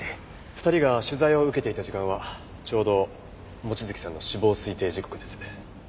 ２人が取材を受けていた時間はちょうど望月さんの死亡推定時刻です。